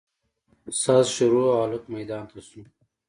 ساز شروع او هلک ميدان ته سو.